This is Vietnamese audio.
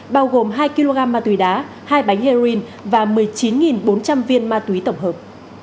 bao gồm hai kg ma túy đá hai bánh heroin và một mươi chín bốn trăm linh viên ma túy tổng hợp